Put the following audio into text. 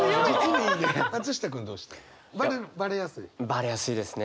バレやすいですね。